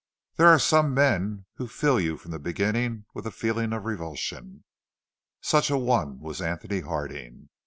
"There are some men who fill you from the beginning with a feeling of revulsion. Such a one was Antony Harding.